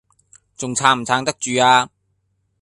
仲撐唔撐得住呀